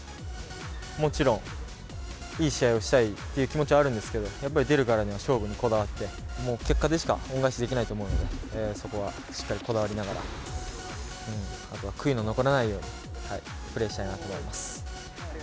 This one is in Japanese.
もちろん、いい試合をしたいっていう気持ちはあるんですけれども、やっぱり出るからには勝負にこだわって、もう結果でしか恩返しできないと思うので、そこはしっかりこだわりながら、あとは悔いの残らないようにプレーしたいなと思います。